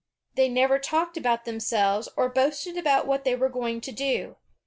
They never talked about themselves or boasted about what they were gomg to do.